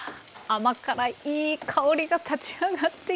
甘辛いいい香りが立ち上がってきました。